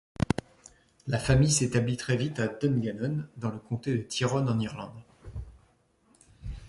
La famille s'établit très vite à Dungannon, dans le comté de Tyrone, en Irlande.